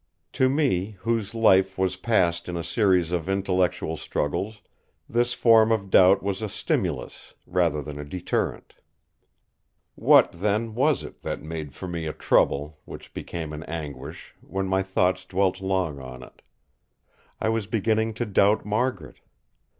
To me, whose life was passed in a series of intellectual struggles, this form of doubt was a stimulus, rather than deterrent. What then was it that made for me a trouble, which became an anguish when my thoughts dwelt long on it? I was beginning to doubt Margaret!